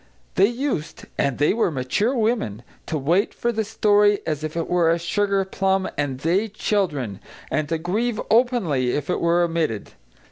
They used and they were mature women to wait for the story as if it were a sugarplum and they, children; and to grieve openly if it were omitted.